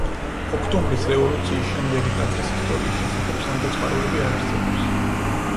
ოქტომბრის რევოლუციის შემდეგი ტაძრის ისტორიის შესახებ სანდო წყაროები არ არსებობს.